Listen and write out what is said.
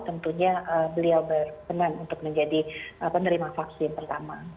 tentunya beliau berkenan untuk menjadi penerima vaksin pertama